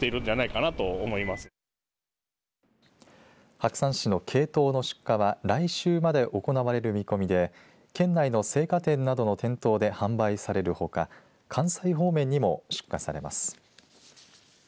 白山市のケイトウの出荷は来週まで行われる見込みで県内の生花店などの店頭で販売されるほか関西方面にも出荷されます。